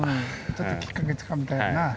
ちょっときっかけをつかみたいよね。